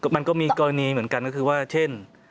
มันก็มีกรณีเหมือนกันก็คือว่าเช่น